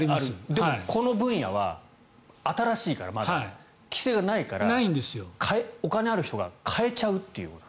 でも、この分野はまだ新しいから規制がないから、お金ある人が買えちゃうということ。